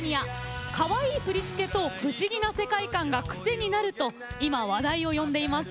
かわいい振り付けと不思議な世界観が癖になると今話題を呼んでいます。